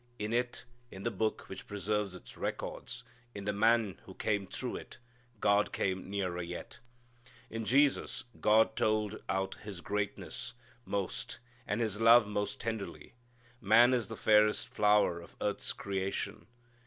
In it, in the Book which preserves its records, in the Man who came through it, God came nearer yet. In Jesus, God told out His greatness most, and His love most tenderly. Man is the fairest flower of earth's creation.